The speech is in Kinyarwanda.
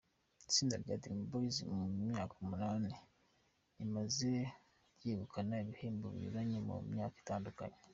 Itsinda rya Dream Boyz mu myaka umunani rimaze, ryegukanye ibihembo binyuranye mu myaka itandukanye.